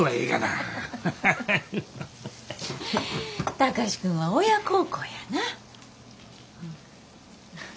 貴司君は親孝行やな。